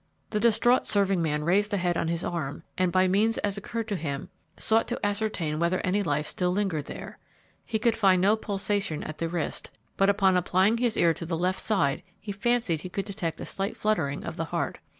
The distraught serving man raised the head on his arm, and, by such means as occurred to him, sought to ascertain whether any life still lingered there. He could find no pulsation at the wrist, but upon applying his ear to the left side he fancied he could detect a slight fluttering of the heart.